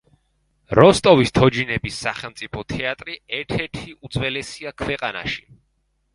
როსტოვის თოჯინების სახელმწიფო თეატრი ერთ-ერთი უძველესია ქვეყანაში.